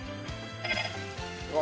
うわ！